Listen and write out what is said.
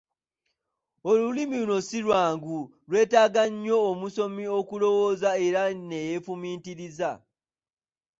Olulimi luno si lwangu, lwetaaga nnyo omusomi okulowooza era ne yeefumiitiriza.